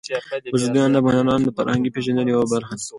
بزګان د افغانانو د فرهنګي پیژندنې یوه برخه ده.